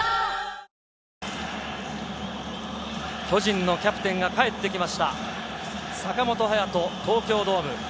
巨人のキャプテンが帰ってきました、坂本勇人、東京ドーム。